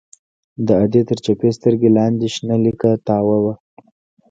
د ادې تر چپې سترگې لاندې شنه ليکه تاوه وه.